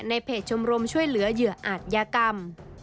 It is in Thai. เพจชมรมช่วยเหลือเหยื่ออาจยากรรม